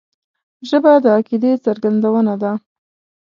ژبه د عقیدې څرګندونه ده